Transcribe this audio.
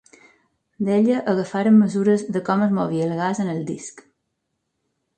D’ella agafaren mesures de com es movia el gas en el disc.